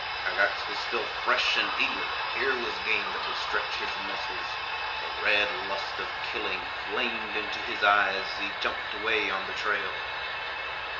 Kagax was still fresh and eager; here was game that would stretch his muscles. The red lust of killing flamed into his eyes as he jumped away on the trail.